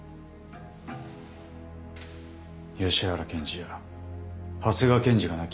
吉原検事や長谷川検事が亡き